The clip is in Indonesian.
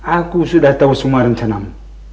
aku sudah tahu semua rencanamu